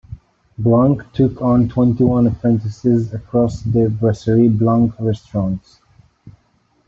Blanc took on twenty-one apprentices across the Brasserie Blanc Restaurants.